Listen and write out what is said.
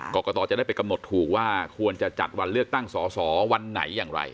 กรกตจะได้ไปกำหนดถูกว่าควรจะจัดวันเลือกตั้งสอสอวันไหนอย่างไร